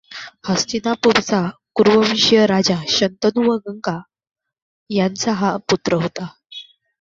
हस्तिनापुराचा कुरुवंशीय राजा शंतनू व गंगा यांचा हा पुत्र होता.